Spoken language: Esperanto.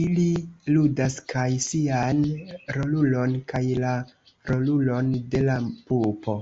Ili ludas kaj sian rolulon kaj la rolulon de la pupo.